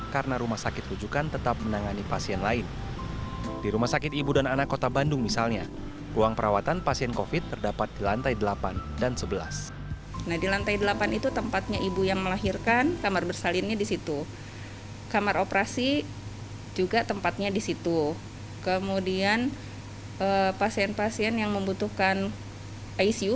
bersalinnya di situ kamar operasi juga tempatnya di situ kemudian pasien pasien yang membutuhkan icu